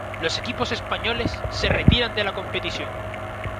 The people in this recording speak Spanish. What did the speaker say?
Los equipos españoles se retiran de la competición.